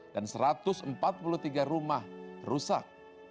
dan satu ratus empat puluh tiga rumah rusak